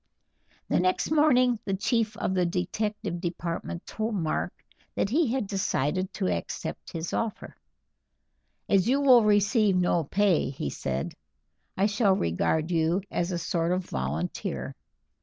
The next morning the chief of the detective department told Mark that he had decided to accept his offer. "As you will receive no pay," he said, "I shall regard you as a sort of volunteer.